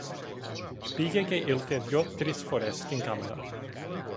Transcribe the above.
πήγε και ήλθε δυο-τρεις φορές στην κάμαρα.